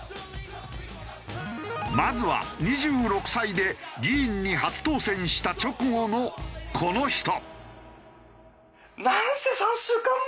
まずは２６歳で議員に初当選した直後のこの人。